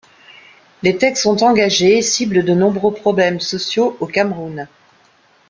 Les textes sont engagés et ciblent de nombreux problèmes sociaux au Cameroun.